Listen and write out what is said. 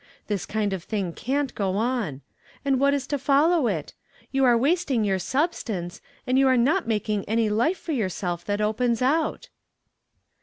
This kind of thing can't go on. And what is to follow it? You are wasting your substance, and you are not making any life for yourself that opens out."